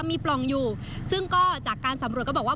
มีปล่องอยู่ซึ่งก็จากการสำรวจก็บอกว่า